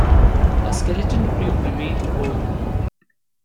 A skeleton crew remained aboard.